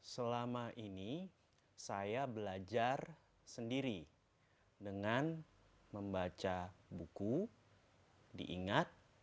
selama ini saya belajar sendiri dengan membaca buku diingat